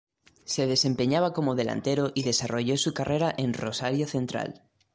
Se desempeñaba como delantero y desarrolló su carrera en Rosario Central.